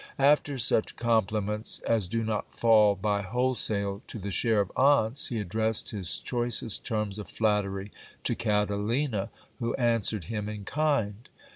After such compliments, as do not fall by wholesale to the share of aunts, he addressed his choicest terms of flattery to Catalina, who answered him in kind.